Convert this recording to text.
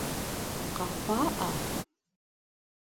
Къэхъуа ӏа?